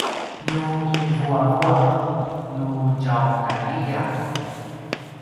nu i vuavuaq nu tjaukaljiya